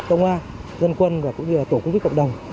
công an dân quân và cũng như là tổ quốc tế cộng đồng